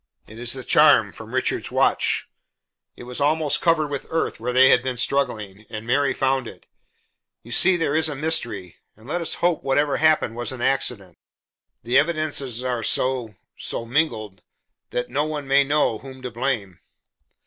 It is the charm from Richard's watch. It was almost covered with earth where they had been struggling, and Mary found it. You see there is a mystery and let us hope whatever happened was an accident. The evidences are so so mingled, that no one may know whom to blame."